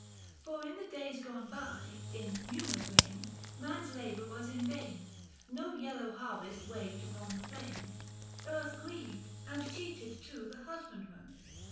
For in the days gone by, 735 In Numa's reign, man's labour was in vain ; No yellow harvest waved upon the plain, Earth grieved, and cheated too the husbandman.